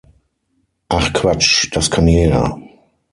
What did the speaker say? Ach Quatsch, das kann jeder!